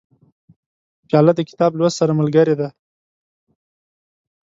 پیاله د کتاب لوست سره ملګرې ده.